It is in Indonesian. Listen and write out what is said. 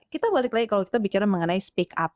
kita balik lagi kalau kita bicara mengenai speak up